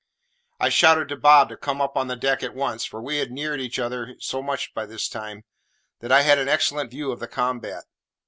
I shouted to Bob to come on deck at once, for we had neared each other so much by this time, that I had an excellent view of the combat.